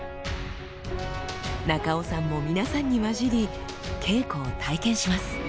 中尾さんも皆さんに交じり稽古を体験します。